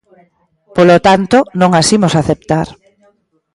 Polo tanto, non as imos aceptar.